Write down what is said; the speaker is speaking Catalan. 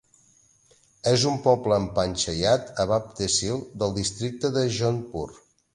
És un poble amb panchayat a Bap tehsil, del districte de Jodhpur.